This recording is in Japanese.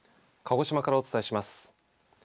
鹿児島からお伝えします。